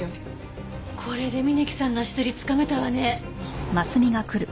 これで峯木さんの足取りつかめたわね。